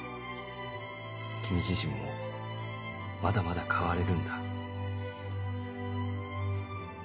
君自身もまだまだ変われるんだ。